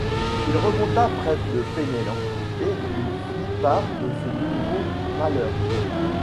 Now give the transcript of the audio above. Il remonta près de Penellan et lui fit part de ce nouveau malheur.